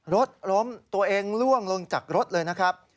รถล้มตัวเองล่วงลงจากรถเลยนะครับ